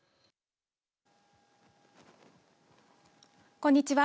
こんにちは。